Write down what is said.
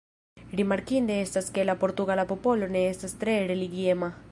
Rimarkinde estas ke la portugala popolo ne estas tro religiema.